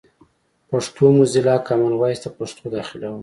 پښتو موزیلا، کامن وایس ته پښتو داخلوم.